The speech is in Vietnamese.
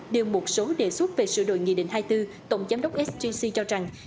điều một số đề xuất về sửa đổi nghị định hai mươi bốn tổng giám đốc sgc cho rằng